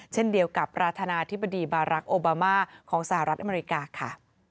เช่นเดียวกับประธานาธิบดีบารักษ์โอบามาของสหรัฐอเมริกาค่ะ